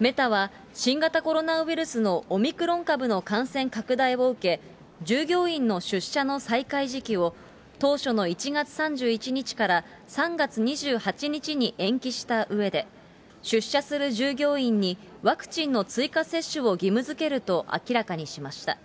メタは、新型コロナウイルスのオミクロン株の感染拡大を受け、従業員の出社の再開時期を当初の１月３１日から３月２８日に延期したうえで、出社する従業員に、ワクチンの追加接種を義務づけると明らかにしました。